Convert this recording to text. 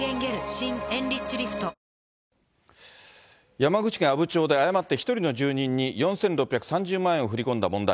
山口県阿武町で誤って１人の住人に４６３０万円を振り込んだ問題。